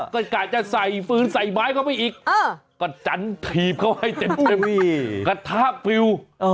ก็กะจะใส่ฟื้นใส่ไม้เข้าไปอีกก็จันถีบเขาให้เต็มกระทะฟิล